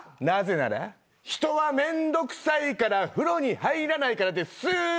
なぜなら人はめんどくさいから風呂に入らないからです！